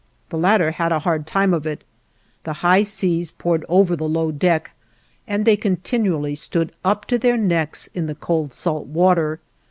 The latter had a hard time of it; the high seas poured over the low deck, and they continually stood up to their necks in the cold salt water.